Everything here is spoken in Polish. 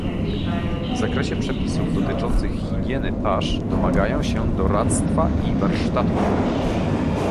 W zakresie przepisów dotyczących higieny pasz domagają się doradztwa i warsztatów